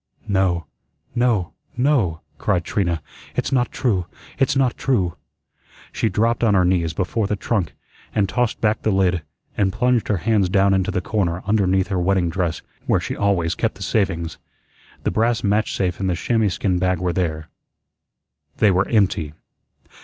"No, no, no," cried Trina, "it's not true; it's not true." She dropped on her knees before the trunk, and tossed back the lid, and plunged her hands down into the corner underneath her wedding dress, where she always kept the savings. The brass match safe and the chamois skin bag were there. They were empty.